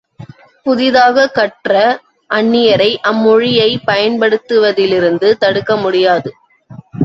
புதிதாகக் கற்ற அந்நியரை, அம் மொழியைப் பயன்படுத்துவதிலிருந்து தடுக்க முடியாது.